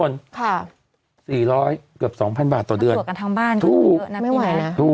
๔๐๐บาทเกือบ๒พันบาทต่อเดือนถูกถูกไม่ไหวนะ